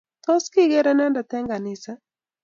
Tos kiigere inendet eng' ganisa?